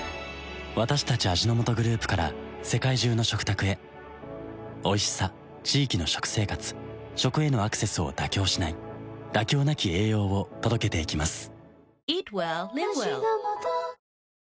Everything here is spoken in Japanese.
私たち味の素グループから世界中の食卓へおいしさ地域の食生活食へのアクセスを妥協しない「妥協なき栄養」を届けていきます